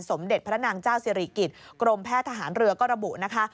สมเด็จพระนางเจ้าสิริกิจกรมแพทย์ทหารเรือก็ระบุนะคะ